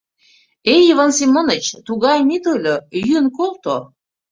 Эй, Йыван Семоныч, тугайым ит ойло, йӱын колто.